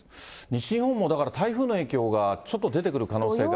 西日本も、だから台風の影響がちょっと出てくる可能性がある。